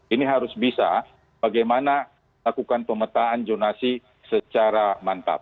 ini harus bisa bagaimana lakukan pemetaan zonasi secara mantap